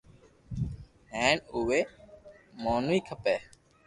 ھين اووي مونوي کپي